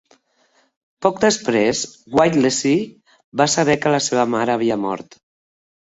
Poc després, Whittlesey va saber que la seva mare havia mort.